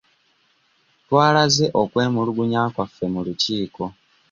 Twalaze okwemulugunya kwaffe mu lukiiko.